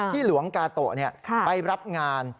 ที่หลวงกาโตะนี่ไปรับงาน